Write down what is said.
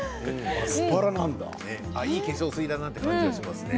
いい化粧水だなっていう感じがしますね